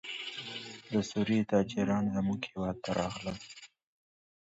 د سوریې تاجران زموږ هېواد ته راغلل.